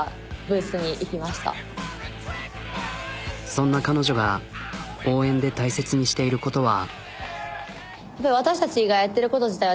そんな彼女が応援で大切にしていることは。